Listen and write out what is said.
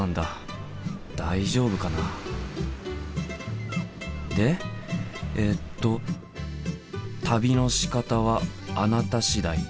大丈夫かな？でえっと「旅のしかたはあなた次第。